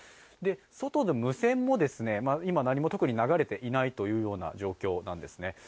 外の無線も、今何も特に流れていないというような状況なんですね。